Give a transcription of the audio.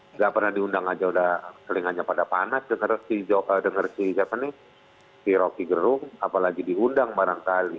tidak pernah diundang aja seling aja pada panas dengar si rocky gerung apalagi diundang barangkali